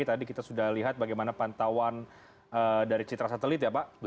tadi kita sudah lihat bagaimana pantauan dari citra satelit ya pak